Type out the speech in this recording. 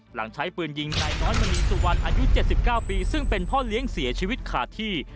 หลังใช้ปืนยิงนายน้อยมณีสุวรรณอายุ๗๙ปีซึ่งเป็นพ่อเลี้ยงเสียชีวิตขาดที่